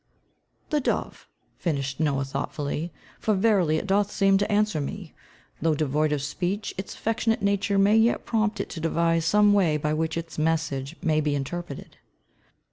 "The dove," finished Noah, thoughtfully, "for verily it doth seem to answer me. Though devoid of speech, its affectionate nature may yet prompt it to devise some way by which its message may be interpreted."